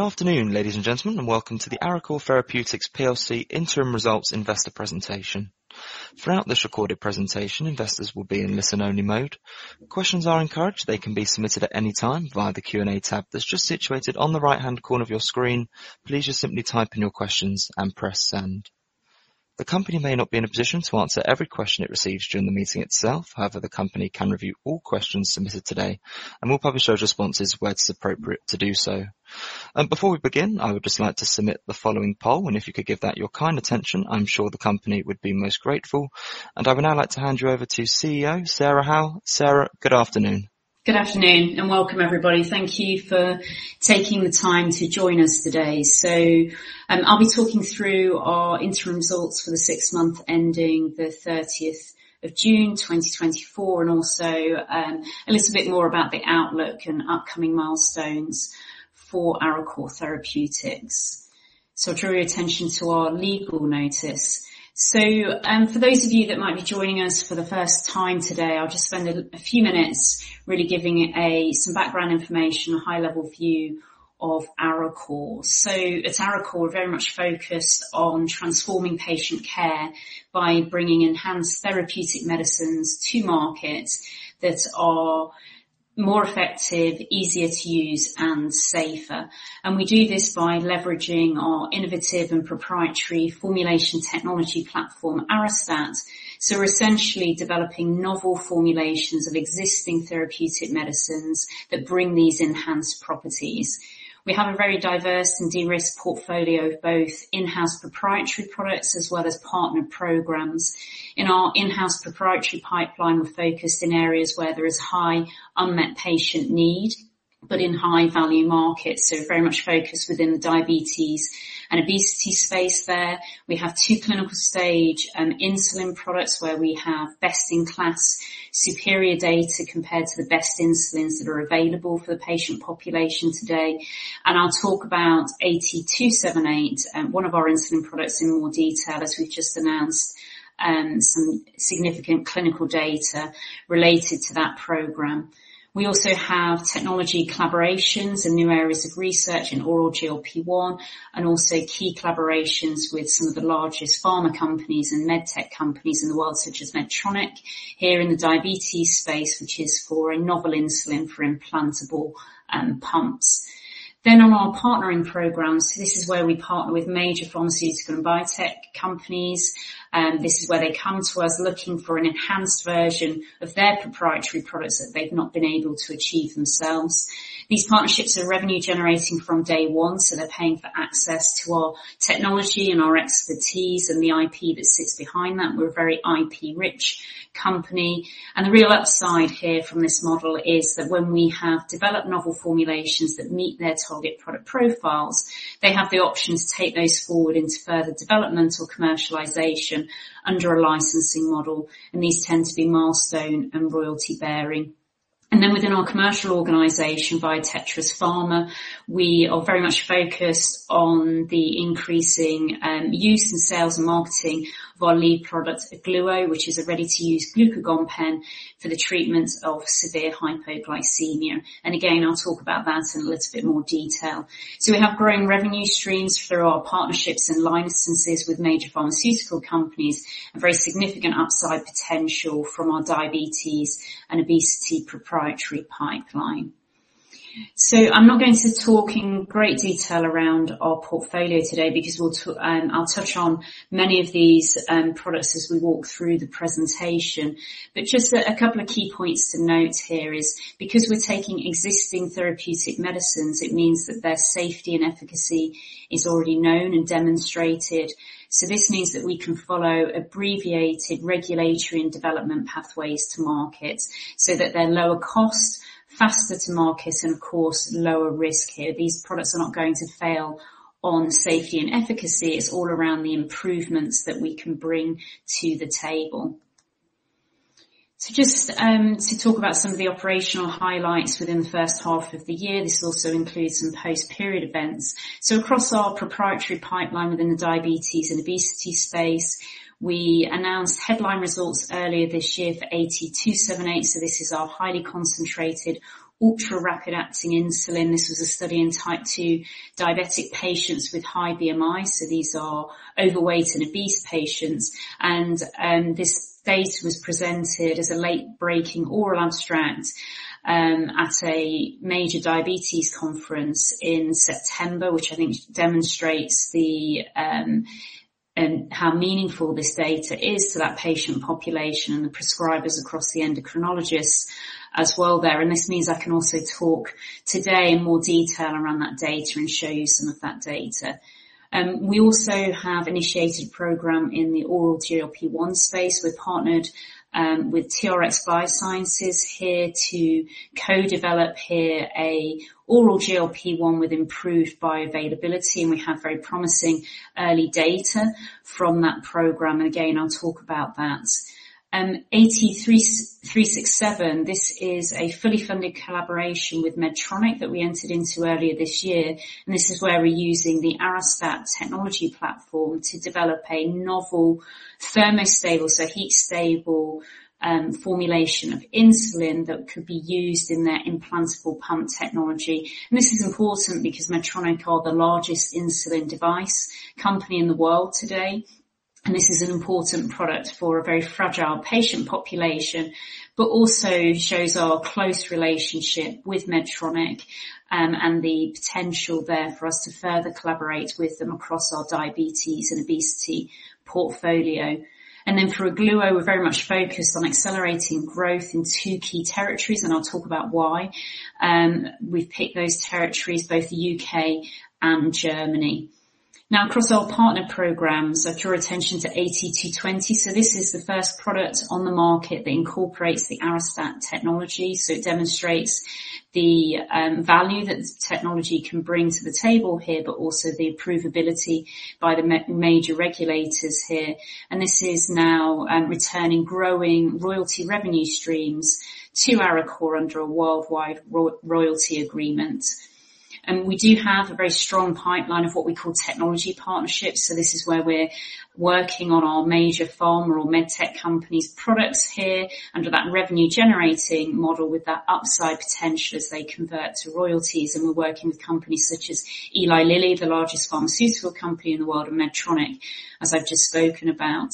Good afternoon, ladies and gentlemen, and welcome to the Arecor Therapeutics plc Interim Results Investor Presentation. Throughout this recorded presentation, investors will be in listen-only mode. Questions are encouraged. They can be submitted at any time via the Q&A tab that's just situated on the right-hand corner of your screen. Please just simply type in your questions and press Send. The company may not be in a position to answer every question it receives during the meeting itself. However, the company can review all questions submitted today, and we'll publish those responses where it's appropriate to do so. Before we begin, I would just like to submit the following poll, and if you could give that your kind attention, I'm sure the company would be most grateful, and I would now like to hand you over to CEO Sarah Howell. Sarah, good afternoon. Good afternoon, and welcome, everybody. Thank you for taking the time to join us today. So, I'll be talking through our interim results for the six months ending the 30th of June 2024, and also, a little bit more about the outlook and upcoming milestones for Arecor Therapeutics. So I draw your attention to our legal notice. So, for those of you that might be joining us for the first time today, I'll just spend a few minutes really giving some background information, a high-level view of Arecor. So at Arecor, we're very much focused on transforming patient care by bringing enhanced therapeutic medicines to markets that are more effective, easier to use, and safer. And we do this by leveraging our innovative and proprietary formulation technology platform, Arestat. So we're essentially developing novel formulations of existing therapeutic medicines that bring these enhanced properties. We have a very diverse and de-risked portfolio of both in-house proprietary products as well as partner programs. In our in-house proprietary pipeline, we're focused in areas where there is high unmet patient need, but in high-value markets, so very much focused within the diabetes and obesity space there. We have two clinical-stage insulin products, where we have best-in-class superior data compared to the best insulins that are available for the patient population today. And I'll talk about AT278, one of our insulin products, in more detail, as we've just announced some significant clinical data related to that program. We also have technology collaborations in new areas of research in oral GLP-1, and also key collaborations with some of the largest pharma companies and med tech companies in the world, such as Medtronic, here in the diabetes space, which is for a novel insulin for implantable pumps, then on our partnering programs, this is where we partner with major pharmaceutical and biotech companies. This is where they come to us, looking for an enhanced version of their proprietary products that they've not been able to achieve themselves. These partnerships are revenue generating from day one, so they're paying for access to our technology and our expertise, and the IP that sits behind that. We're a very IP-rich company, and the real upside here from this model is that when we have developed novel formulations that meet their target product profiles, they have the option to take those forward into further development or commercialization under a licensing model, and these tend to be milestone and royalty-bearing. Then within our commercial organization, Tetris Pharma, we are very much focused on the increasing use and sales and marketing of our lead product, Ogluo, which is a ready-to-use glucagon pen for the treatment of severe hypoglycemia. Again, I'll talk about that in a little bit more detail. We have growing revenue streams through our partnerships and licenses with major pharmaceutical companies and very significant upside potential from our diabetes and obesity proprietary pipeline. So I'm not going to talk in great detail around our portfolio today because I'll touch on many of these products as we walk through the presentation. But just a couple of key points to note here is because we're taking existing therapeutic medicines, it means that their safety and efficacy is already known and demonstrated. So this means that we can follow abbreviated regulatory and development pathways to market, so that they're lower cost, faster to market and, of course, lower risk here. These products are not going to fail on safety and efficacy. It's all around the improvements that we can bring to the table. So just to talk about some of the operational highlights within the first half of the year. This also includes some post-period events. So across our proprietary pipeline within the diabetes and obesity space, we announced headline results earlier this year for AT278. So this is our highly concentrated, ultra-rapid acting insulin. This was a study in type 2 diabetic patients with high BMI, so these are overweight and obese patients. And this data was presented as a late-breaking oral abstract at a major diabetes conference in September, which I think demonstrates how meaningful this data is to that patient population and the prescribers across the endocrinologists as well there, and this means I can also talk today in more detail around that data and show you some of that data. We also have initiated a program in the oral GLP-1 space. We've partnered with TRx Biosciences here to co-develop a oral GLP-1 with improved bioavailability, and we have very promising early data from that program, and again, I'll talk about that. AT367, this is a fully funded collaboration with Medtronic that we entered into earlier this year, and this is where we're using the Arestat technology platform to develop a novel thermostable, so heat-stable, formulation of insulin that could be used in their implantable pump technology, and this is important because Medtronic are the largest insulin device company in the world today, and this is an important product for a very fragile patient population, but also shows our close relationship with Medtronic, and the potential there for us to further collaborate with them across our diabetes and obesity portfolio. And then for Ogluo, we're very much focused on accelerating growth in two key territories, and I'll talk about why. We've picked those territories, both the UK and Germany. Now, across our partner programs, I draw attention to AT220. So this is the first product on the market that incorporates the Arestat technology. So it demonstrates the value that technology can bring to the table here, but also the approvability by the major regulators here. And this is now returning growing royalty revenue streams to Arecor under a worldwide royalty agreement. And we do have a very strong pipeline of what we call technology partnerships. So this is where we're working on our major pharma or med tech companies products here under that revenue generating model, with that upside potential as they convert to royalties. We're working with companies such as Eli Lilly, the largest pharmaceutical company in the world, and Medtronic, as I've just spoken about.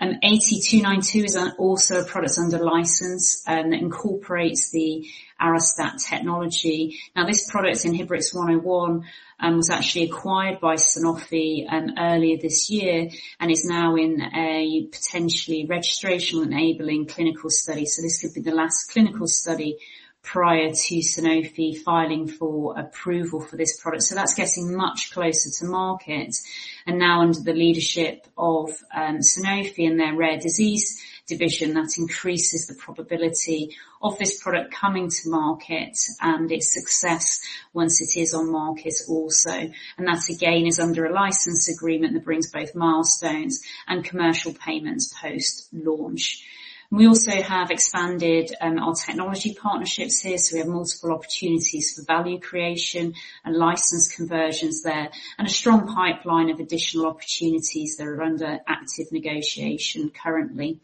AT292 is also a product under license and incorporates the Arestat technology. Now, this product, INBRX-101, was actually acquired by Sanofi earlier this year and is now in a potentially registration-enabling clinical study. This could be the last clinical study prior to Sanofi filing for approval for this product. That's getting much closer to market and now under the leadership of Sanofi and their rare disease division, that increases the probability of this product coming to market and its success once it is on market also. That, again, is under a license agreement that brings both milestones and commercial payments post-launch. We also have expanded our technology partnerships here, so we have multiple opportunities for value creation and license conversions there, and a strong pipeline of additional opportunities that are under active negotiation currently.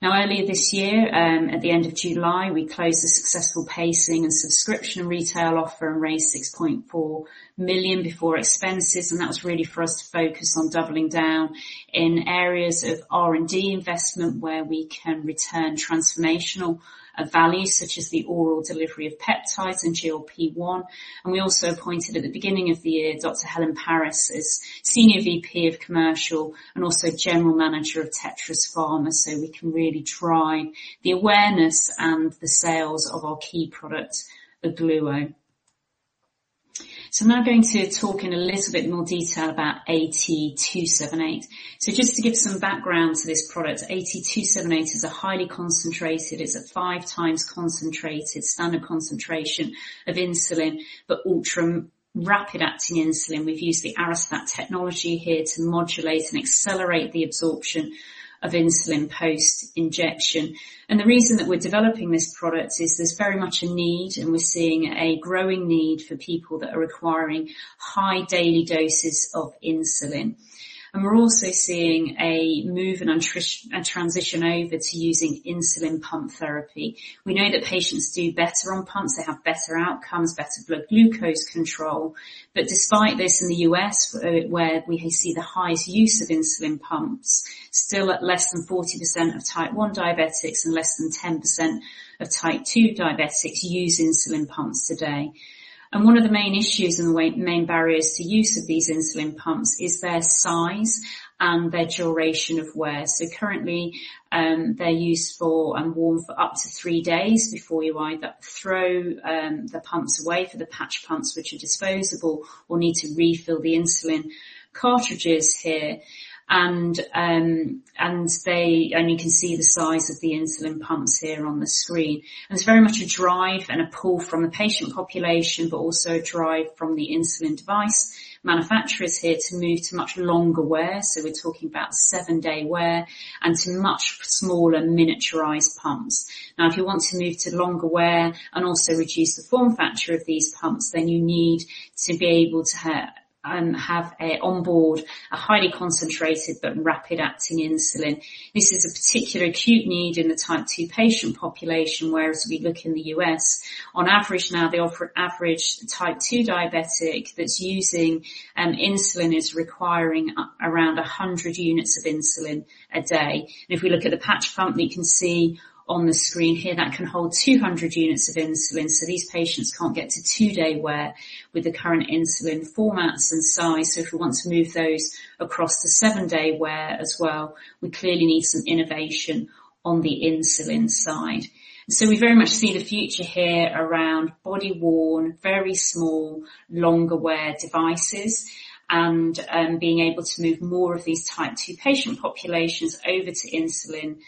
Now, earlier this year, at the end of July, we closed a successful placing and subscription retail offer and raised 6.4 million before expenses, and that was really for us to focus on doubling down in areas of R&D investment, where we can return transformational value, such as the oral delivery of peptides and GLP-1, and we also appointed at the beginning of the year, Dr. Helen Parris as Senior VP of Commercial and also General Manager of Tetris Pharma, so we can really drive the awareness and the sales of our key product, Ogluo, so I'm now going to talk in a little bit more detail about AT278. Just to give some background to this product, AT278 is a highly concentrated, it's a five times concentrated standard concentration of insulin, but ultra rapid-acting insulin. We've used the Arestat technology here to modulate and accelerate the absorption of insulin post-injection. And the reason that we're developing this product is there's very much a need, and we're seeing a growing need for people that are requiring high daily doses of insulin. And we're also seeing a move and a transition over to using insulin pump therapy. We know that patients do better on pumps. They have better outcomes, better blood glucose control. But despite this, in the U.S., where we see the highest use of insulin pumps, still at less than 40% of Type 1 diabetics and less than 10% of Type 2 diabetics use insulin pumps today. One of the main issues and main barriers to use of these insulin pumps is their size and their duration of wear. Currently, they're worn for up to three days before you either throw the pumps away for the patch pumps, which are disposable, or need to refill the insulin cartridges here. You can see the size of the insulin pumps here on the screen. There's very much a drive and a pull from the patient population, but also a drive from the insulin device manufacturers here to move to much longer wear, so we're talking about seven-day wear and to much smaller miniaturized pumps. Now, if you want to move to longer wear and also reduce the form factor of these pumps, then you need to be able to have onboard a highly concentrated but rapid-acting insulin. This is a particular acute need in the Type 2 patient population, when we look in the U.S., on average, now, the average Type 2 diabetic that's using insulin is requiring around a hundred units of insulin a day. And if we look at the patch pump, you can see on the screen here, that can hold 200 units of insulin, so these patients can't get to two-day wear with the current insulin formats and size. So if we want to move those across the seven-day wear as well, we clearly need some innovation on the insulin side. So we very much see the future here around body-worn, very small, longer-wear devices and being able to move more of these Type 2 patient populations over to insulin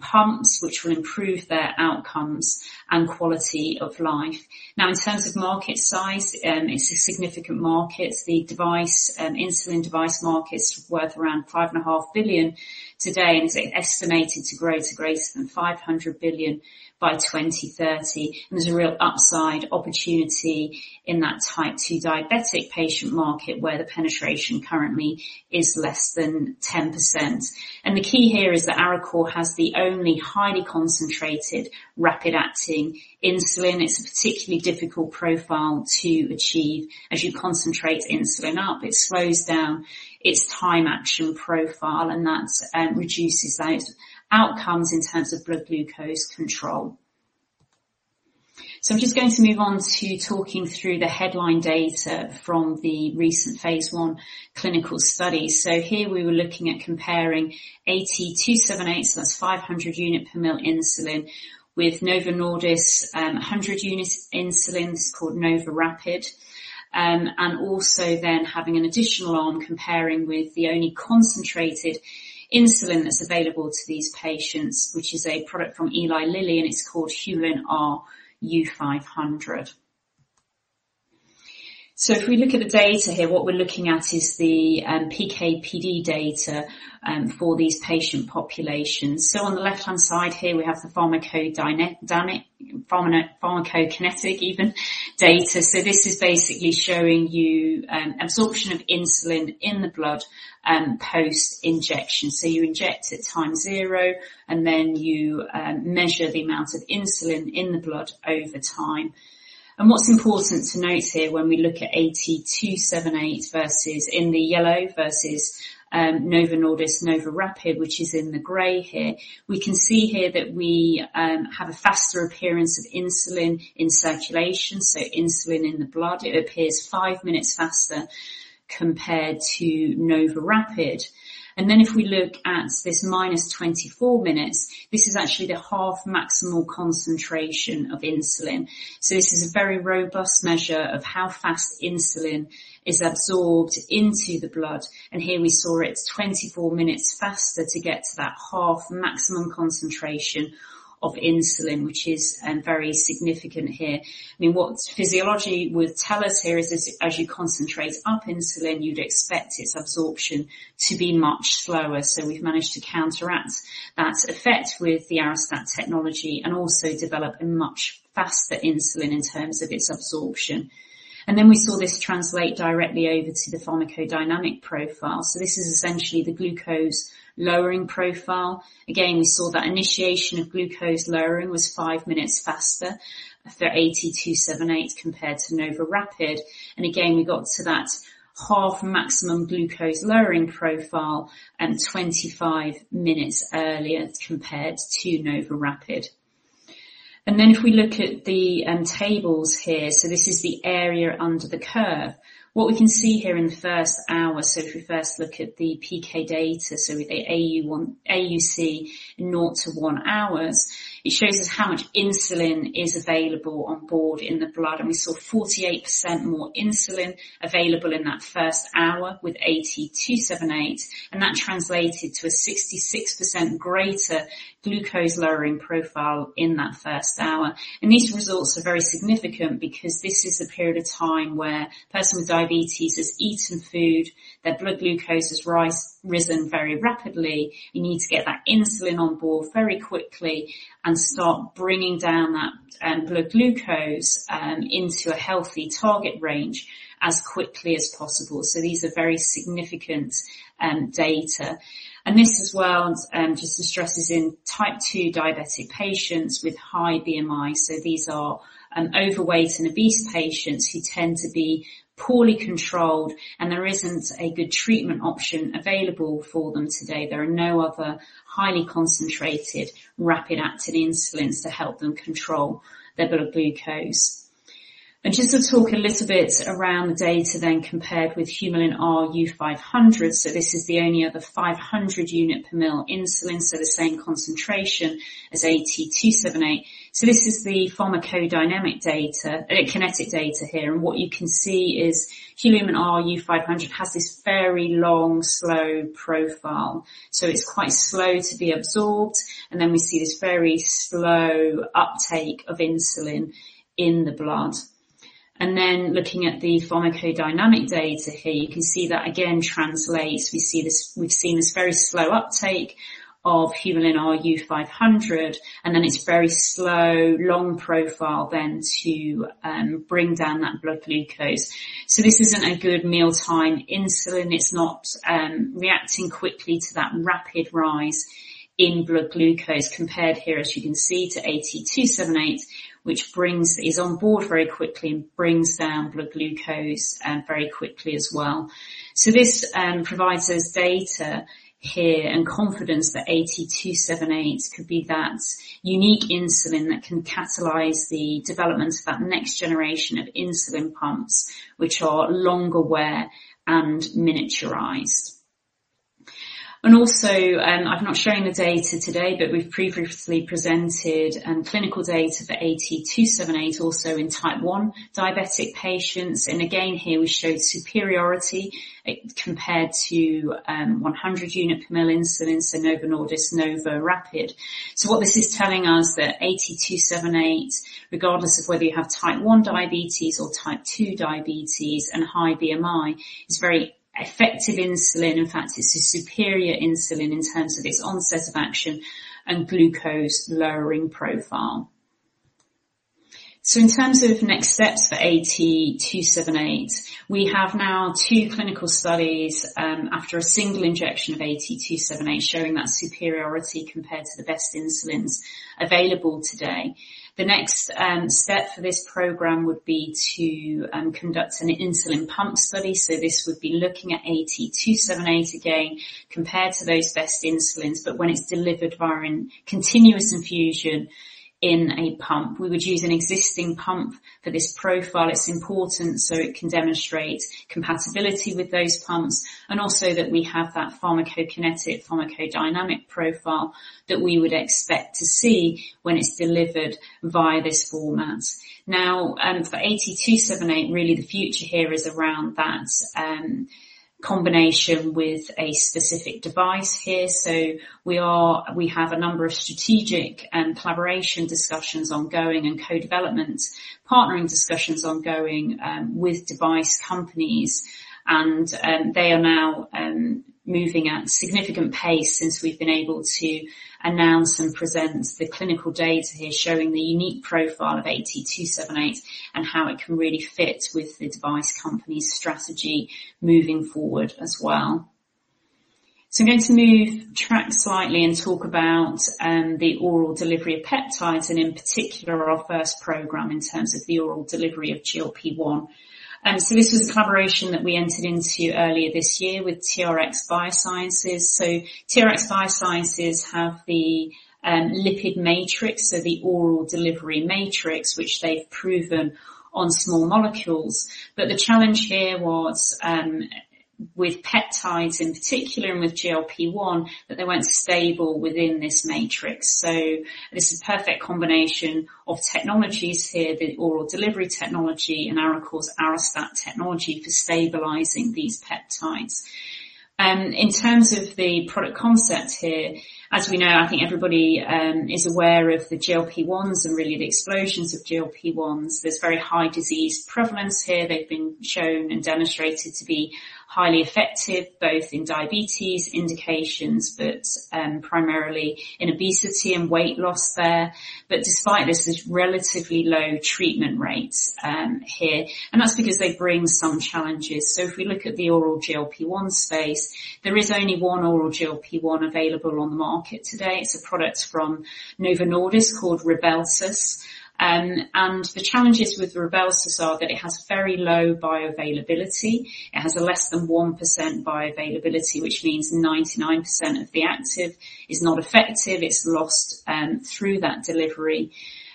pumps, which will improve their outcomes and quality of life. Now, in terms of market size, it's a significant market. The device insulin device market is worth around $5.5 billion today, and it's estimated to grow to greater than $500 billion by 2030. There's a real upside opportunity in that Type 2 diabetic patient market, where the penetration currently is less than 10%. And the key here is that Arecor has the only highly concentrated, rapid-acting insulin. It's a particularly difficult profile to achieve. As you concentrate insulin up, it slows down its time action profile, and that reduces outcomes in terms of blood glucose control. I'm just going to move on to talking through the headline data from the recent phase I clinical study. Here we were looking at comparing AT278, so that's 500 units per mL insulin, with Novo Nordisk 100 units insulin. This is called NovoRapid, and also then having an additional arm comparing with the only concentrated insulin that's available to these patients, which is a product from Eli Lilly, and it's called Humulin R U-500. If we look at the data here, what we're looking at is the PK/PD data for these patient populations. On the left-hand side here, we have the pharmacodynamic, pharmacokinetic data. This is basically showing you absorption of insulin in the blood post-injection. So you inject at time zero, and then you measure the amount of insulin in the blood over time. And what's important to note here, when we look at AT278 versus in the yellow versus Novo Nordisk NovoRapid, which is in the gray here, we can see here that we have a faster appearance of insulin in circulation, so insulin in the blood, it appears five minutes faster compared to NovoRapid. And then if we look at this minus 24 minutes, this is actually the half maximal concentration of insulin. So this is a very robust measure of how fast insulin is absorbed into the blood, and here we saw it's 24 minutes faster to get to that half maximum concentration of insulin, which is very significant here. I mean, what physiology would tell us here is as you concentrate up insulin, you'd expect its absorption to be much slower. So we've managed to counteract that effect with the Arestat technology and also develop a much faster insulin in terms of its absorption. And then we saw this translate directly over to the pharmacodynamic profile. So this is essentially the glucose-lowering profile. Again, we saw that initiation of glucose lowering was five minutes faster for AT278 compared to NovoRapid. And again, we got to that half maximum glucose lowering profile and 25 minutes earlier compared to NovoRapid. And then if we look at the tables here, so this is the area under the curve. What we can see here in the first hour, so if we first look at the PK data, so with the AUC 0 to one hours, it shows us how much insulin is available on board in the blood. And we saw 48% more insulin available in that first hour with AT278, and that translated to a 66% greater glucose lowering profile in that first hour. And these results are very significant because this is a period of time where a person with diabetes has eaten food, their blood glucose has risen very rapidly. You need to get that insulin on board very quickly and start bringing down that blood glucose into a healthy target range as quickly as possible. So these are very significant data. And this as well, just to stress, is in Type 2 diabetic patients with high BMI. So these are overweight and obese patients who tend to be poorly controlled, and there isn't a good treatment option available for them today. There are no other highly concentrated, rapid-acting insulins to help them control their blood glucose. And just to talk a little bit around the data then compared with Humulin R U-500. So this is the only other 500 units per mL insulin, so the same concentration as AT278. So this is the pharmacodynamic data, kinetic data here, and what you can see is Humulin R U-500 has this very long, slow profile. So it's quite slow to be absorbed, and then we see this very slow uptake of insulin in the blood. And then looking at the pharmacodynamic data here, you can see that again translates. We see this. We've seen this very slow uptake of Humulin R U-500, and then it's very slow, long profile, then to bring down that blood glucose. So this isn't a good mealtime insulin. It's not reacting quickly to that rapid rise in blood glucose compared here, as you can see, to AT278, which is on board very quickly and brings down blood glucose very quickly as well. So this provides us data here and confidence that AT278 could be that unique insulin that can catalyze the development of that next generation of insulin pumps, which are longer wear and miniaturized, and also I've not shown the data today, but we've previously presented clinical data for AT278, also in Type 1 diabetic patients, and again here we show superiority compared to one hundred units per mL insulin, so Novo Nordisk NovoRapid. What this is telling us that AT278, regardless of whether you have Type 1 diabetes or Type 2 diabetes and high BMI, is very effective insulin. In fact, this is superior insulin in terms of its onset of action and glucose lowering profile. In terms of next steps for AT278, we have now two clinical studies after a single injection of AT278, showing that superiority compared to the best insulins available today. The next step for this program would be to conduct an insulin pump study. This would be looking at AT278 again, compared to those best insulins, but when it is delivered via a continuous infusion in a pump. We would use an existing pump for this profile. It's important so it can demonstrate compatibility with those pumps, and also that we have that pharmacokinetic, pharmacodynamic profile that we would expect to see when it's delivered via this format. Now, for AT278, really the future here is around that, combination with a specific device here. So we have a number of strategic and collaboration discussions ongoing, and co-development partnering discussions ongoing, with device companies, and they are now moving at significant pace since we've been able to announce and present the clinical data here, showing the unique profile of AT278 and how it can really fit with the device company's strategy moving forward as well. So I'm going to move track slightly and talk about the oral delivery of peptides, and in particular, our first program in terms of the oral delivery of GLP-1. This was a collaboration that we entered into earlier this year with TRx Biosciences. TRx Biosciences have the lipid matrix, so the oral delivery matrix, which they've proven on small molecules. But the challenge here was with peptides in particular, and with GLP-1, that they weren't stable within this matrix. So this is a perfect combination of technologies here, the oral delivery technology and, of course, Arestat technology for stabilizing these peptides. In terms of the product concept here, as we know, I think everybody is aware of the GLP-1s and really the explosions of GLP-1s. There's very high disease prevalence here. They've been shown and demonstrated to be highly effective, both in diabetes indications, but primarily in obesity and weight loss there. But despite this, there's relatively low treatment rates here, and that's because they bring some challenges. So if we look at the oral GLP-1 space, there is only one oral GLP-1 available on the market today. It's a product from Novo Nordisk called Rybelsus. And the challenges with Rybelsus are that it has very low bioavailability. It has a less than 1% bioavailability, which means 99% of the active is not effective, it's lost through that delivery.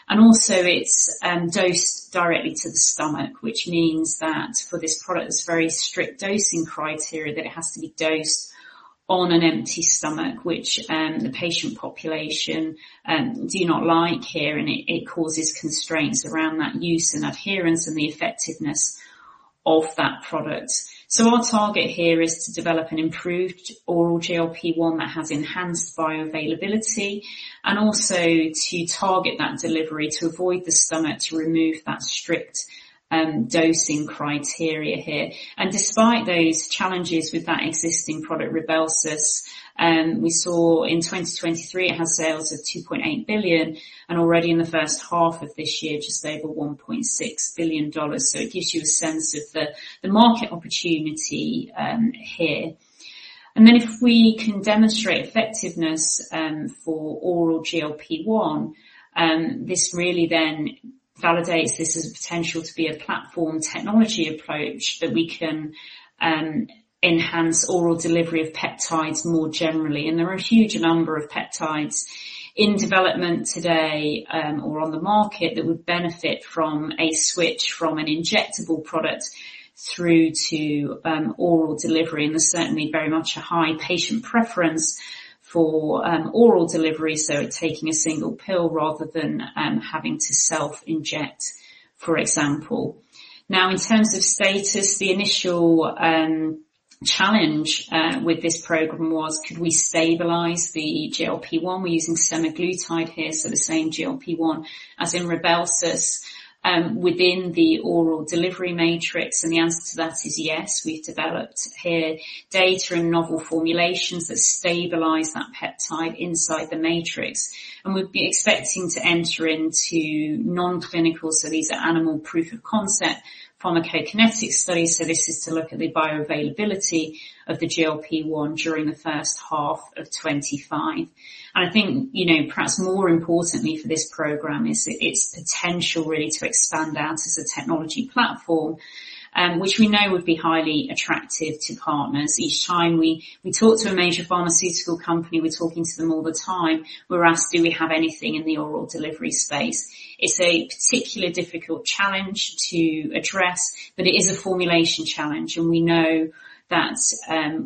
And also it's dosed directly to the stomach, which means that for this product, there's very strict dosing criteria, that it has to be dosed on an empty stomach, which the patient population do not like here, and it causes constraints around that use and adherence and the effectiveness of that product. Our target here is to develop an improved oral GLP-1 that has enhanced bioavailability, and also to target that delivery, to avoid the stomach, to remove that strict dosing criteria here. Despite those challenges with that existing product, Rybelsus, we saw in 2023, it had sales of $2.8 billion, and already in the first half of this year, just over $1.6 billion. It gives you a sense of the market opportunity here. If we can demonstrate effectiveness for oral GLP-1, this really then validates this as a potential to be a platform technology approach that we can enhance oral delivery of peptides more generally. There are a huge number of peptides in development today, or on the market that would benefit from a switch from an injectable product through to oral delivery. There's certainly very much a high patient preference for oral delivery, so taking a single pill rather than having to self-inject, for example. Now, in terms of status, the initial challenge with this program was: could we stabilize the GLP-1? We're using semaglutide here, so the same GLP-1 as in Rybelsus within the oral delivery matrix, and the answer to that is yes. We've developed here data and novel formulations that stabilize that peptide inside the matrix, and we'd be expecting to enter into non-clinical, so these are animal proof of concept, pharmacokinetics studies. This is to look at the bioavailability of the GLP-1 during the first half of 2025. I think, you know, perhaps more importantly for this program, is its potential really to expand out as a technology platform, which we know would be highly attractive to partners. Each time we talk to a major pharmaceutical company, we're talking to them all the time, we're asked, "Do we have anything in the oral delivery space?" It's a particularly difficult challenge to address, but it is a formulation challenge, and we know that,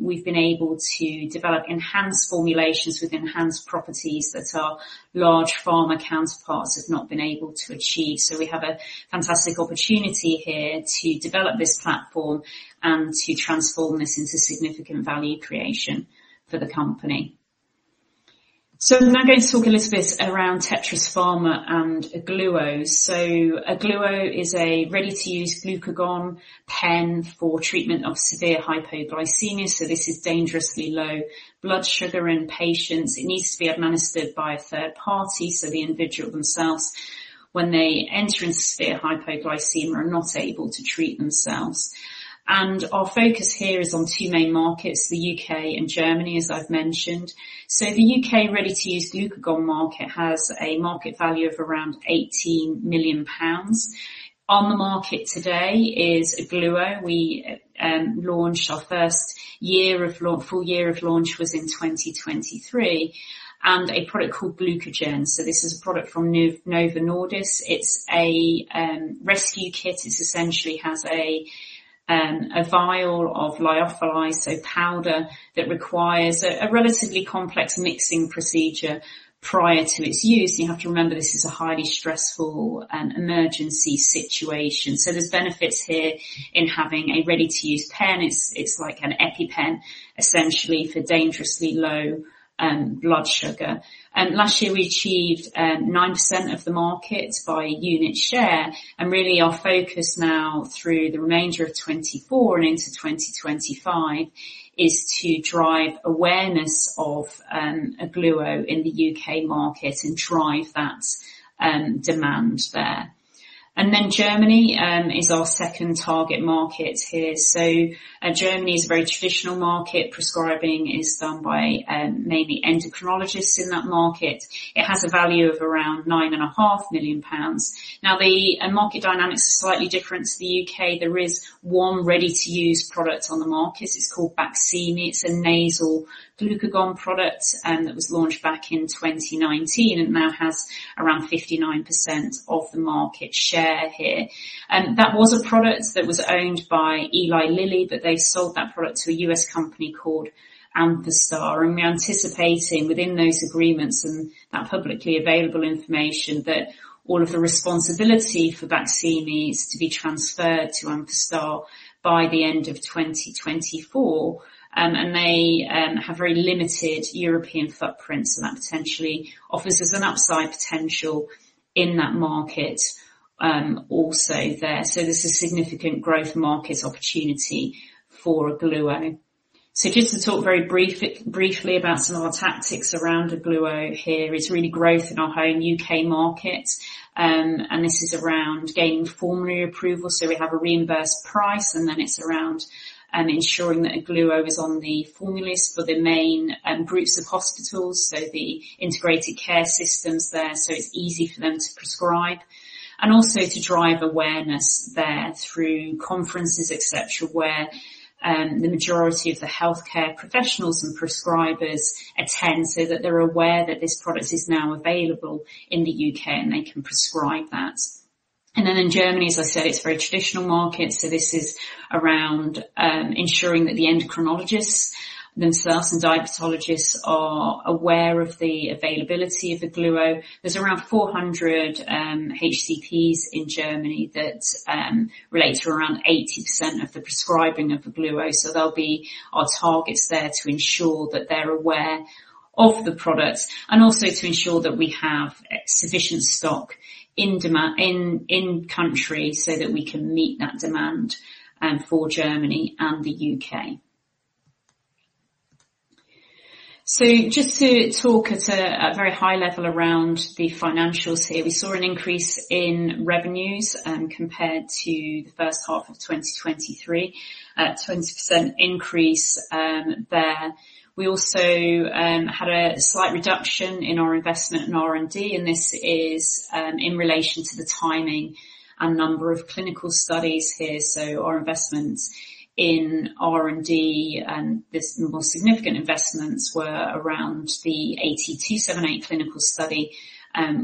we've been able to develop enhanced formulations with enhanced properties that our large pharma counterparts have not been able to achieve. We have a fantastic opportunity here to develop this platform and to transform this into significant value creation for the company. I'm now going to talk a little bit around Tetris Pharma and Ogluo. Ogluo is a ready-to-use glucagon pen for treatment of severe hypoglycemia. This is dangerously low blood sugar in patients. It needs to be administered by a third party, so the individual themselves, when they enter into severe hypoglycemia, are not able to treat themselves. Our focus here is on two main markets, the U.K. and Germany, as I've mentioned. The U.K. ready-to-use glucagon market has a market value of around 18 million pounds. On the market today is Ogluo. We launched our first year of launch. Full year of launch was in 2023, and a product called GlucaGen. This is a product from Novo Nordisk. It's a rescue kit. It essentially has a vial of lyophilized, so powder, that requires a relatively complex mixing procedure prior to its use. You have to remember, this is a highly stressful emergency situation. There's benefits here in having a ready-to-use pen. It's like an EpiPen, essentially, for dangerously low blood sugar. Last year, we achieved 9% of the market by unit share, and really our focus now through the remainder of 2024 and into 2025 is to drive awareness of Ogluo in the UK market and drive that demand there. Then Germany is our second target market here. Germany is a very traditional market. Prescribing is done by mainly endocrinologists in that market. It has a value of around 9.5 million pounds. Now, the market dynamics are slightly different to the UK. There is one ready-to-use product on the market. It's called Baqsimi. It's a nasal glucagon product that was launched back in 2019, and it now has around 59% of the market share here. That was a product that was owned by Eli Lilly, but they sold that product to a U.S. company called Amphastar. And we're anticipating within those agreements and that publicly available information, that all of the responsibility for Baqsimi is to be transferred to Amphastar by the end of 2024. And they have very limited European footprints, and that potentially offers us an upside potential in that market, also there. So there's a significant growth market opportunity for Ogluo. So just to talk very briefly about some of our tactics around Ogluo here, is really growth in our home U.K. market. and this is around gaining formulary approval, so we have a reimbursed price, and then it's around ensuring that Ogluo is on the formulary for the main groups of hospitals, so the integrated care systems there, so it's easy for them to prescribe. And also to drive awareness there through conferences, et cetera, where the majority of the healthcare professionals and prescribers attend, so that they're aware that this product is now available in the UK, and they can prescribe that. And then in Germany, as I said, it's a very traditional market, so this is around ensuring that the endocrinologists themselves and diabetologists are aware of the availability of Ogluo. There's around 400 HCPs in Germany that relate to around 80% of the prescribing of Ogluo, so they'll be our targets there to ensure that they're aware of the product and also to ensure that we have sufficient stock in demand in country, so that we can meet that demand for Germany and the UK. So just to talk at a very high level around the financials here. We saw an increase in revenues compared to the first half of 2023, a 20% increase there. We also had a slight reduction in our investment in R&D, and this is in relation to the timing and number of clinical studies here. So our investments in R&D, and this, more significant investments were around the AT278 clinical study,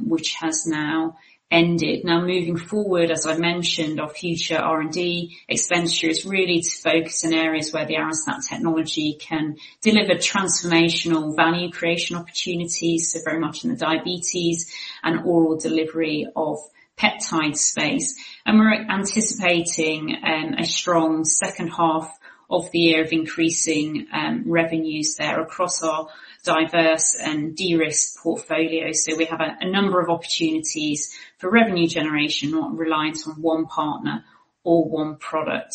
which has now ended. Now, moving forward, as I mentioned, our future R&D expenditure is really to focus in areas where the Arestat technology can deliver transformational value creation opportunities, so very much in the diabetes and oral delivery of peptide space. And we're anticipating a strong second half of the year of increasing revenues there across our diverse and de-risked portfolio. So we have a number of opportunities for revenue generation, not reliant on one partner or one product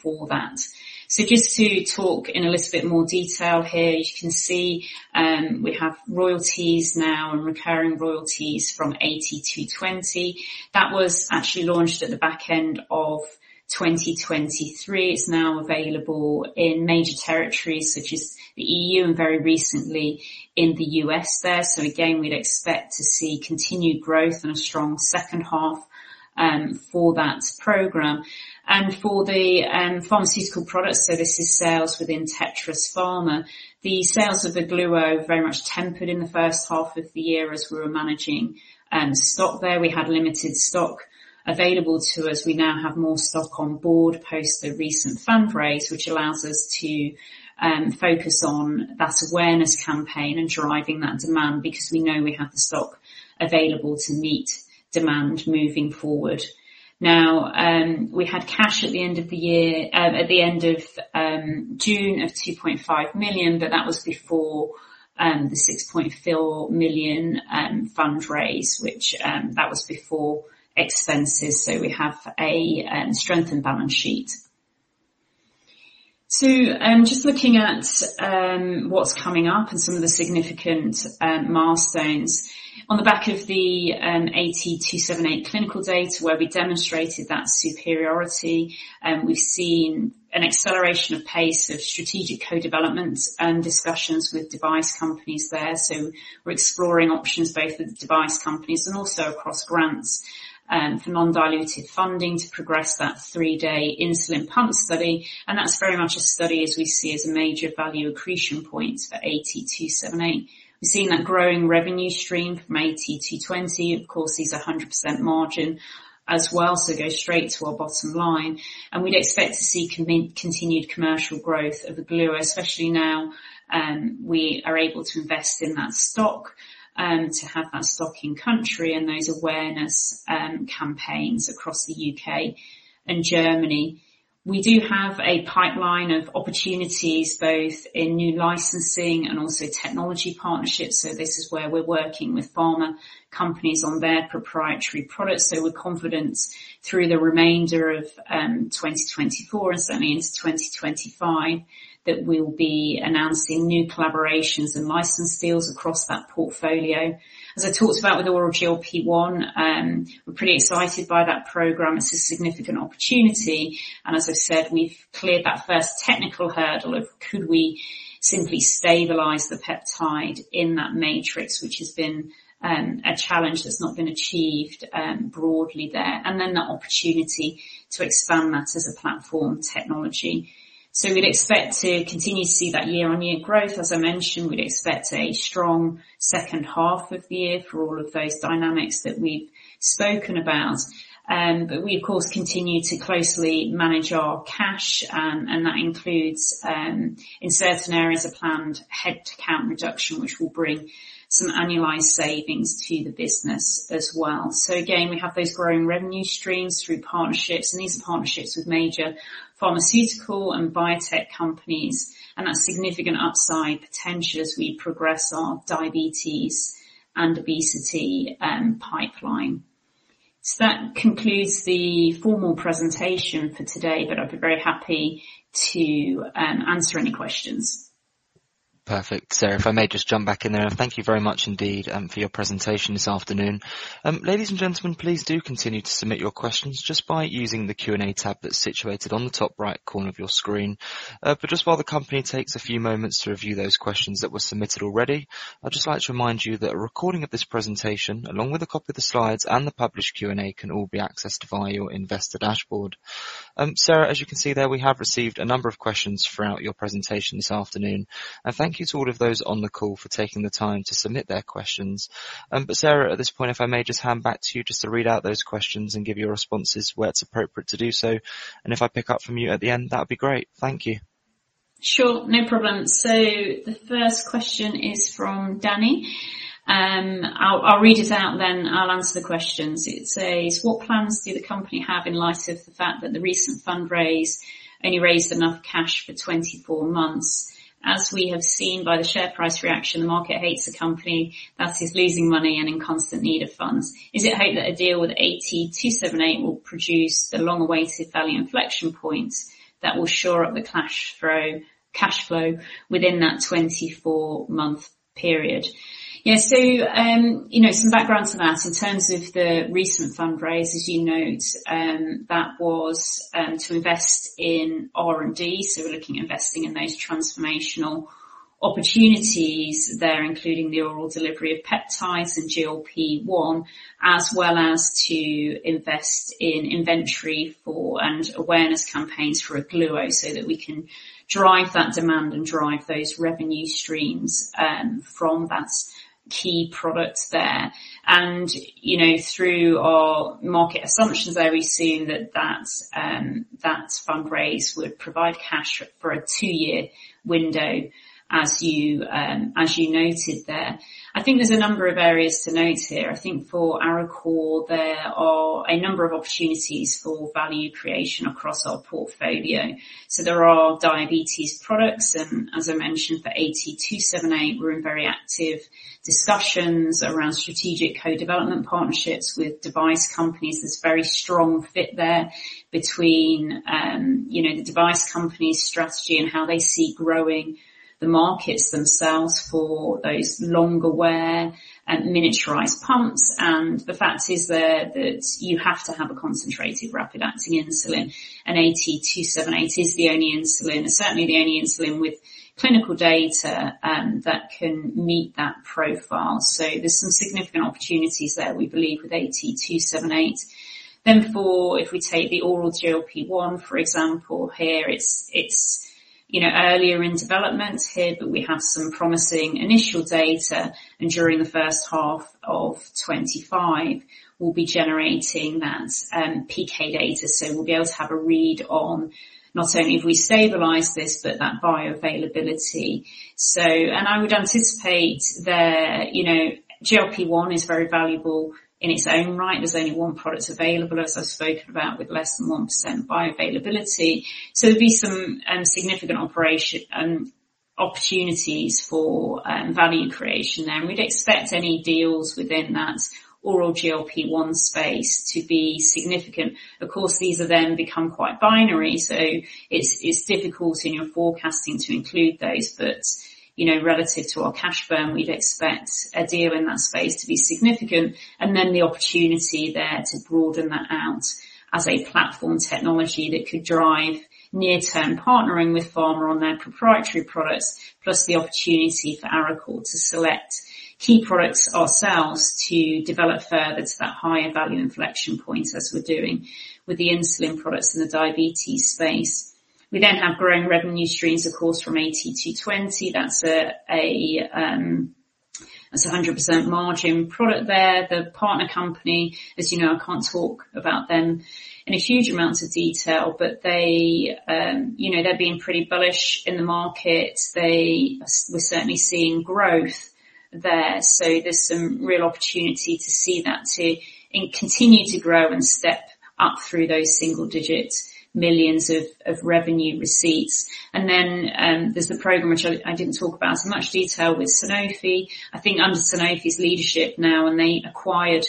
for that. So just to talk in a little bit more detail here. You can see, we have royalties now and recurring royalties from AT220. That was actually launched at the back end of 2023. It's now available in major territories such as the E.U. and very recently in the U.S. there. So again, we'd expect to see continued growth and a strong second half for that program. And for the pharmaceutical products, so this is sales within Tetris Pharma. The sales of Ogluo very much tempered in the first half of the year as we were managing stock there. We had limited stock available to us. We now have more stock on board post the recent fundraise, which allows us to focus on that awareness campaign and driving that demand, because we know we have the stock available to meet demand moving forward. Now, we had cash at the end of the year at the end of June of 2.5 million, but that was before the 6.4 million fundraise, which that was before expenses, so we have a strengthened balance sheet. Just looking at what's coming up and some of the significant milestones. On the back of the AT278 clinical data, where we demonstrated that superiority, we've seen an acceleration of pace of strategic co-development and discussions with device companies there. We're exploring options both with device companies and also across grants for non-diluted funding to progress that three-day insulin pump study, and that's very much a study as we see as a major value accretion point for AT278. We've seen that growing revenue stream from AT220, of course, is 100% margin as well, so goes straight to our bottom line, and we'd expect to see continued commercial growth of the Ogluo, especially now we are able to invest in that stock to have that stock in country and those awareness campaigns across the UK and Germany. We do have a pipeline of opportunities, both in new licensing and also technology partnerships, so this is where we're working with pharma companies on their proprietary products, so we're confident through the remainder of 2024, and certainly into 2025, that we'll be announcing new collaborations and license deals across that portfolio. As I talked about with oral GLP-1, we're pretty excited by that program. It's a significant opportunity, and as I've said, we've cleared that first technical hurdle of could we simply stabilize the peptide in that matrix, which has been a challenge that's not been achieved broadly there, and then the opportunity to expand that as a platform technology, so we'd expect to continue to see that year-on-year growth. As I mentioned, we'd expect a strong second half of the year for all of those dynamics that we've spoken about. But we, of course, continue to closely manage our cash, and that includes, in certain areas, a planned headcount reduction, which will bring some annualized savings to the business as well. So again, we have those growing revenue streams through partnerships, and these are partnerships with major pharmaceutical and biotech companies, and that significant upside potential as we progress our diabetes and obesity pipeline. So that concludes the formal presentation for today, but I'd be very happy to answer any questions. Perfect. Sarah, if I may just jump back in there, and thank you very much indeed for your presentation this afternoon. Ladies and gentlemen, please do continue to submit your questions just by using the Q&A tab that's situated on the top right corner of your screen, but just while the company takes a few moments to review those questions that were submitted already, I'd just like to remind you that a recording of this presentation, along with a copy of the slides and the published Q&A, can all be accessed via your investor dashboard. Sarah, as you can see there, we have received a number of questions throughout your presentation this afternoon, and thank you to all of those on the call for taking the time to submit their questions. but, Sarah, at this point, if I may just hand back to you just to read out those questions and give your responses where it's appropriate to do so, and if I pick up from you at the end, that would be great. Thank you. Sure. No problem. So the first question is from Danny. I'll read it out, then I'll answer the questions. It says: What plans do the company have in light of the fact that the recent fundraise only raised enough cash for 24 months? As we have seen by the share price reaction, the market hates the company that is losing money and in constant need of funds. Is it hoped that a deal with AT278 will produce a long-awaited value inflection point that will shore up the cash flow within that 24-month period? Yeah, so, you know, some background to that. In terms of the recent fundraise, as you note, that was to invest in R&D. We're looking at investing in those transformational opportunities there, including the oral delivery of peptides and GLP-1, as well as to invest in inventory for and awareness campaigns for Ogluo, so that we can drive that demand and drive those revenue streams from that key product there. You know, through our market assumptions there, we've seen that fundraise would provide cash for a two-year window, as you noted there. I think there's a number of areas to note here. I think for Arecor, there are a number of opportunities for value creation across our portfolio. There are diabetes products, and as I mentioned, for AT278, we're in very active discussions around strategic co-development partnerships with device companies. There's a very strong fit there between, you know, the device company's strategy and how they see growing the markets themselves for those longer-wear and miniaturized pumps. And the fact is that you have to have a concentrated, rapid-acting insulin, and AT278 is the only insulin, certainly the only insulin with clinical data that can meet that profile. So there's some significant opportunities there, we believe, with AT278. Then for... If we take the oral GLP-1, for example, here, it's you know, earlier in development here, but we have some promising initial data, and during the first half of 2025, we'll be generating that PK data. So we'll be able to have a read on not only if we stabilize this, but that bioavailability. So, and I would anticipate that, you know, GLP-1 is very valuable in its own right. There's only one product available, as I've spoken about, with less than 1% bioavailability. So there'd be some significant operation opportunities for value creation there. We'd expect any deals within that oral GLP-1 space to be significant. Of course, these are then become quite binary, so it's difficult in your forecasting to include those. But, you know, relative to our cash burn, we'd expect a deal in that space to be significant, and then the opportunity there to broaden that out as a platform technology that could drive near-term partnering with pharma on their proprietary products, plus the opportunity for Arecor to select key products ourselves to develop further to that higher value inflection point, as we're doing with the insulin products in the diabetes space. We then have growing revenue streams, of course, from AT220. That's a 100% margin product there. The partner company, as you know, I can't talk about them in a huge amount of detail, but they, you know, they're being pretty bullish in the market. They're certainly seeing growth there, so there's some real opportunity to see that too, and continue to grow and step up through those single digits, millions of revenue receipts. And then, there's the program, which I didn't talk about in much detail with Sanofi. I think under Sanofi's leadership now, and they acquired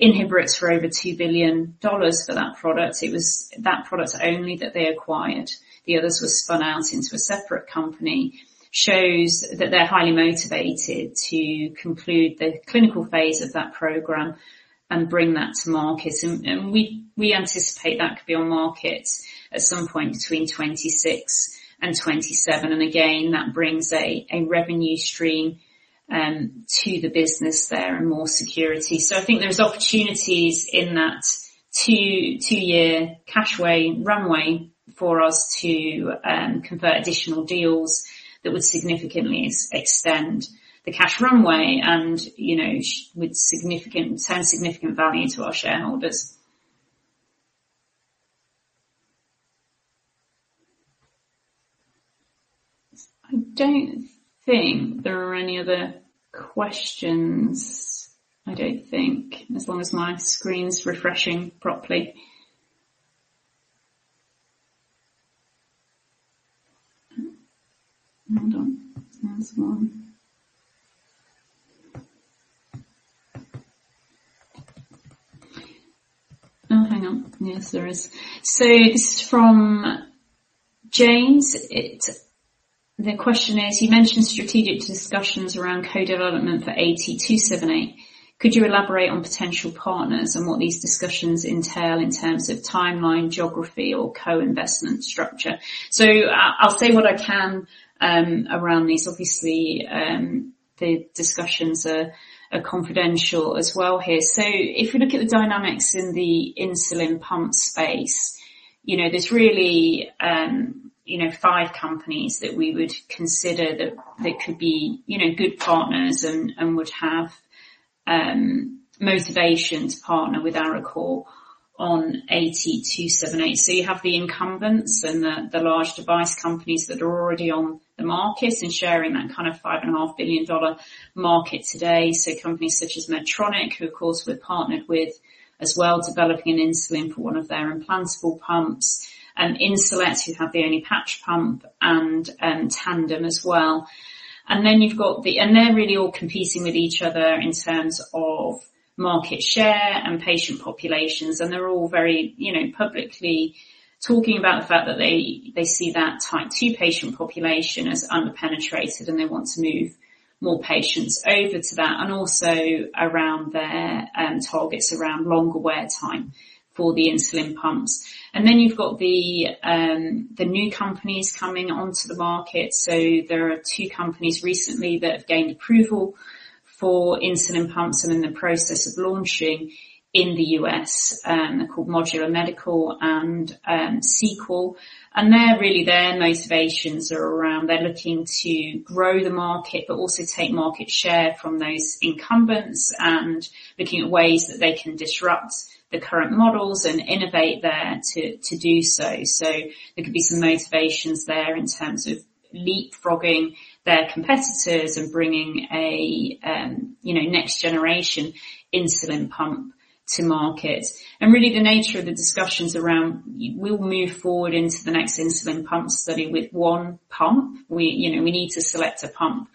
Inhbrx for over $2 billion for that product. It was that product only that they acquired. The others were spun out into a separate company, shows that they're highly motivated to conclude the clinical phase of that program and bring that to market. We anticipate that could be on market at some point between 2026 and 2027. And again, that brings a revenue stream to the business there and more security. So I think there's opportunities in that two-year cash runway for us to convert additional deals that would significantly extend the cash runway and, you know, show significant value to our shareholders. I don't think there are any other questions. I don't think, as long as my screen's refreshing properly. Hold on. There's one. Oh, hang on. Yes, there is. So this is from James. The question is, you mentioned strategic discussions around co-development for AT278. Could you elaborate on potential partners and what these discussions entail in terms of timeline, geography, or co-investment structure? So I'll say what I can around these. Obviously, the discussions are confidential as well here. So if we look at the dynamics in the insulin pump space, you know, there's really, you know, five companies that we would consider that could be, you know, good partners and would have motivation to partner with Arecor on AT278. So you have the incumbents and the large device companies that are already on the market and sharing that kind of $5.5 billion market today. So companies such as Medtronic, who, of course, we've partnered with, as well, developing an insulin for one of their implantable pumps. Insulet, who have the only patch pump, and Tandem as well. And then you've got, and they're really all competing with each other in terms of market share and patient populations, and they're all very, you know, publicly talking about the fact that they, they see that Type 2 patient population as underpenetrated, and they want to move more patients over to that, and also around their targets, around longer wear time for the insulin pumps. And then you've got the new companies coming onto the market. So there are two companies recently that have gained approval for insulin pumps and in the process of launching in the U.S., they're called Modular Medical and, Sequel. And they're really, their motivations are around. They're looking to grow the market, but also take market share from those incumbents and looking at ways that they can disrupt the current models and innovate there to do so. So there could be some motivations there in terms of leapfrogging their competitors and bringing a, you know, next generation insulin pump to market. And really, the nature of the discussions around. We'll move forward into the next insulin pump study with one pump. We, you know, we need to select a pump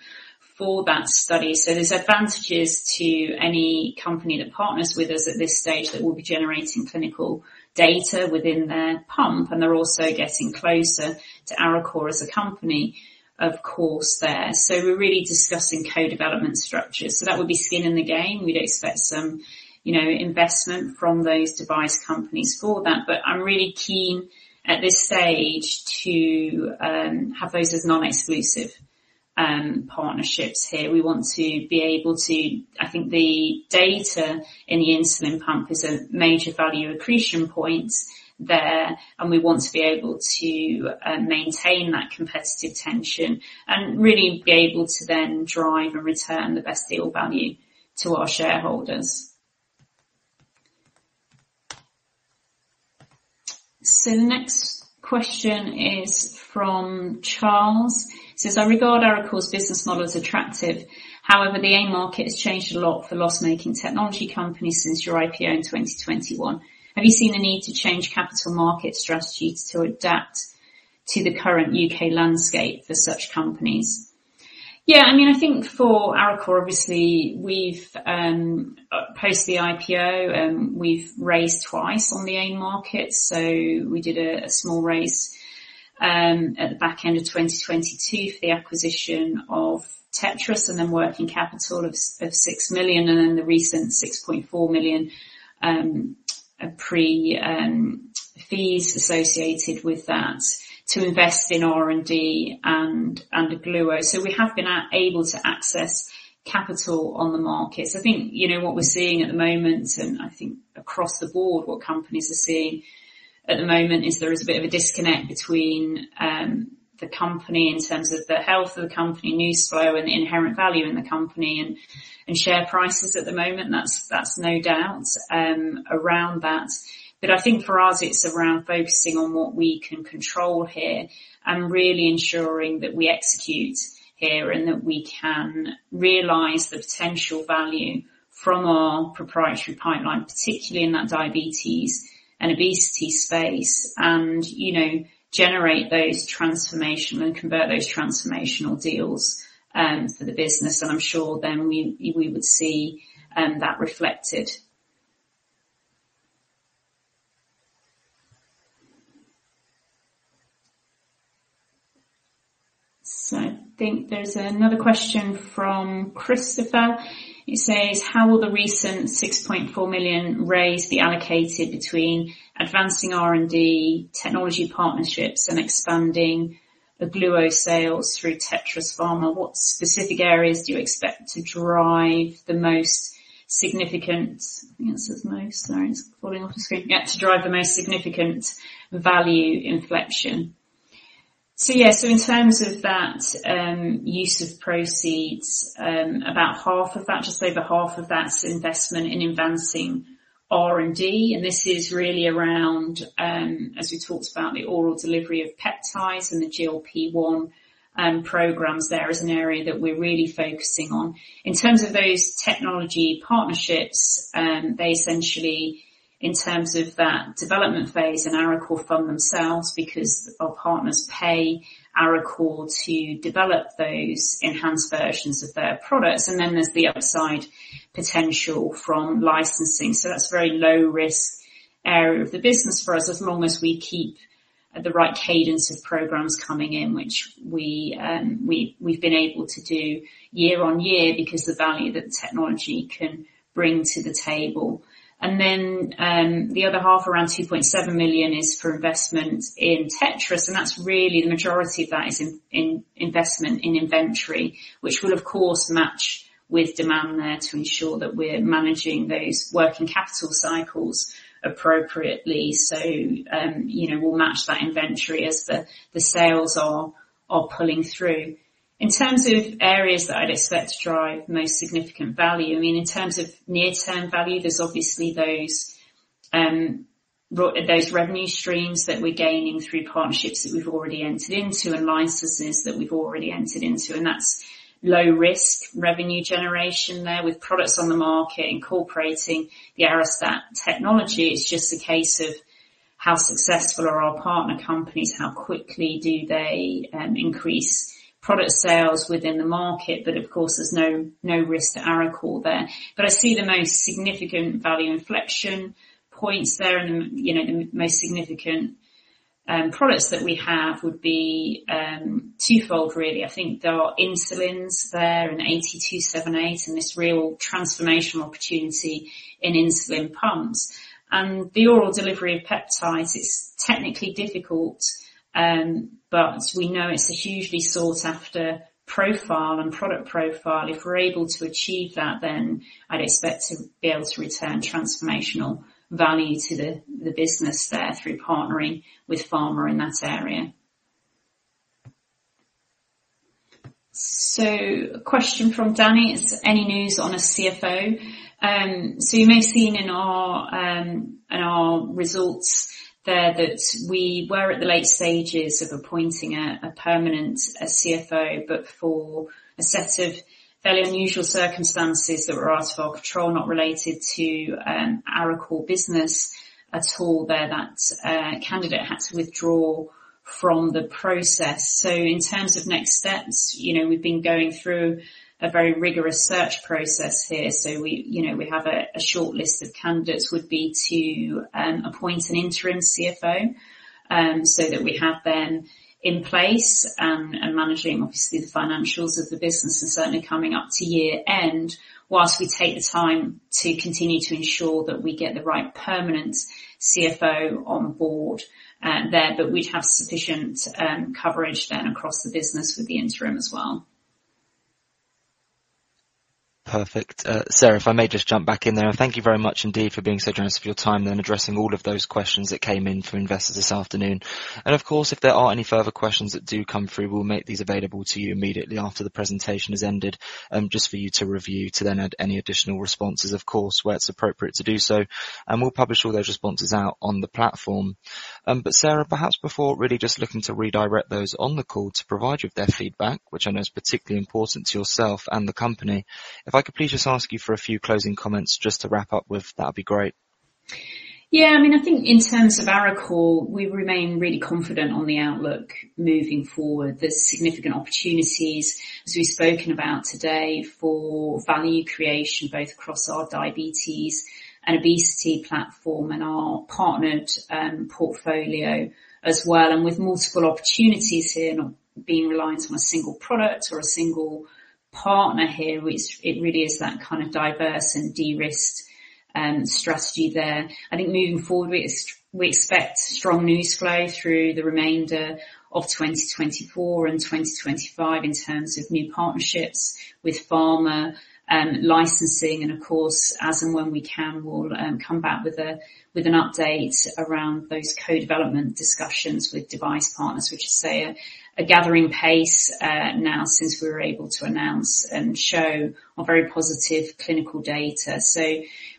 for that study. So there's advantages to any company that partners with us at this stage, that we'll be generating clinical data within their pump, and they're also getting closer to Arecor as a company, of course, there. So we're really discussing co-development structures. So that would be skin in the game. We'd expect some, you know, investment from those device companies for that. But I'm really keen at this stage to have those as non-exclusive partnerships here. We want to be able to... I think the data in the insulin pump is a major value accretion point there, and we want to be able to maintain that competitive tension and really be able to then drive and return the best deal value to our shareholders. So the next question is from Charles. It says, "I regard Arecor's business model as attractive. However, the end market has changed a lot for loss-making technology companies since your IPO in 2021. Have you seen the need to change capital market strategies to adapt to the current UK landscape for such companies?" Yeah, I mean, I think for Arecor, obviously, we've post the IPO we've raised twice on the aim market. So we did a small raise at the back end of 2022 for the acquisition of Tetris, and then working capital of 6 million, and then the recent 6.4 million pre fees associated with that to invest in R&D and Ogluo. We have been able to access capital on the markets. I think, you know, what we're seeing at the moment, and I think across the board, what companies are seeing at the moment, is there is a bit of a disconnect between the company in terms of the health of the company, news flow, and the inherent value in the company and share prices at the moment. That's no doubt around that. But I think for us, it's around focusing on what we can control here and really ensuring that we execute here, and that we can realize the potential value from our proprietary pipeline, particularly in that diabetes and obesity space, and, you know, generate those transformational-- and convert those transformational deals for the business. And I'm sure then we would see that reflected. So I think there's another question from Christopher. He says: How will the recent 6.4 million raise be allocated between advancing R&D, technology partnerships, and expanding Ogluo sales through Tetris Pharma? What specific areas do you expect to drive the most significant... I think it says most, sorry, it's falling off the screen. Yeah, to drive the most significant value inflection? So yeah, so in terms of that, use of proceeds, about half of that, just over half of that, is investment in advancing R&D, and this is really around, as we talked about, the oral delivery of peptides and the GLP-1 programs there, is an area that we're really focusing on. In terms of those technology partnerships, they essentially, in terms of that development phase and Arecor fund themselves because our partners pay Arecor to develop those enhanced versions of their products, and then there's the upside potential from licensing. So that's a very low-risk area of the business for us, as long as we keep the right cadence of programs coming in, which we've been able to do year on year, because the value that the technology can bring to the table. And then, the other half, around 2.7 million, is for investment in Tetris, and that's really the majority of that is in investment in inventory, which will, of course, match with demand there to ensure that we're managing those working capital cycles appropriately. So, you know, we'll match that inventory as the sales are pulling through. In terms of areas that I'd expect to drive the most significant value, I mean, in terms of near-term value, there's obviously those, those revenue streams that we're gaining through partnerships that we've already entered into and licenses that we've already entered into, and that's low-risk revenue generation there with products on the market incorporating the Arestat technology. It's just a case of how successful are our partner companies, how quickly do they increase product sales within the market, but of course, there's no, no risk to Arecor there. But I see the most significant value inflection points there and, you know, the most significant products that we have would be twofold, really. I think there are insulins there and AT278, and this real transformational opportunity in insulin pumps. And the oral delivery of peptides is technically difficult, but we know it's a hugely sought-after profile and product profile. If we're able to achieve that, then I'd expect to be able to return transformational value to the business there through partnering with pharma in that area. So a question from Danny. Is any news on a CFO? So you may have seen in our results there that we were at the late stages of appointing a permanent CFO, but for a set of fairly unusual circumstances that were out of our control, not related to Arecor business at all there, that candidate had to withdraw from the process. In terms of next steps, you know, we've been going through a very rigorous search process here. So we, you know, we have a shortlist of candidates, would be to appoint an interim CFO, so that we have them in place and managing, obviously, the financials of the business and certainly coming up to year-end, whilst we take the time to continue to ensure that we get the right permanent CFO on board there. But we'd have sufficient coverage then across the business with the interim as well. Perfect. Sarah, if I may just jump back in there. Thank you very much indeed for being so generous with your time and addressing all of those questions that came in from investors this afternoon, and of course, if there are any further questions that do come through, we'll make these available to you immediately after the presentation has ended, just for you to review, to then add any additional responses, of course, where it's appropriate to do so, and we'll publish all those responses out on the platform. But Sarah, perhaps before really just looking to redirect those on the call to provide you with their feedback, which I know is particularly important to yourself and the company, if I could please just ask you for a few closing comments just to wrap up with, that'd be great. Yeah, I mean, I think in terms of Arecor, we remain really confident on the outlook moving forward. There's significant opportunities, as we've spoken about today, for value creation, both across our diabetes and obesity platform and our partnered portfolio as well, and with multiple opportunities here, not being reliant on a single product or a single partner here, which it really is that kind of diverse and de-risked strategy there. I think moving forward, we expect strong news flow through the remainder of 2024 and 2025 in terms of new partnerships with pharma, licensing, and of course, as and when we can, we'll come back with an update around those co-development discussions with device partners, which is, say, a gathering pace now since we were able to announce and show our very positive clinical data. So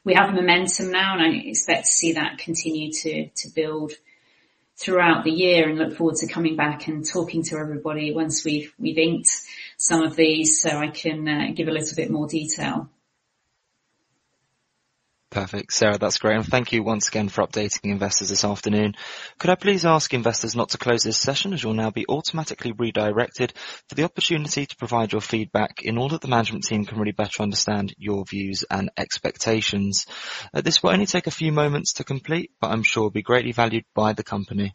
we have a momentum now, and I expect to see that continue to build throughout the year and look forward to coming back and talking to everybody once we've inked some of these, so I can give a little bit more detail. Perfect. Sarah, that's great, and thank you once again for updating investors this afternoon. Could I please ask investors not to close this session, as you'll now be automatically redirected for the opportunity to provide your feedback in order that the management team can really better understand your views and expectations. This will only take a few moments to complete, but I'm sure will be greatly valued by the company.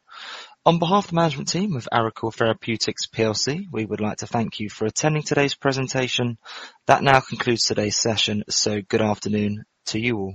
On behalf of the management team of Arecor Therapeutics PLC, we would like to thank you for attending today's presentation. That now concludes today's session, so good afternoon to you all.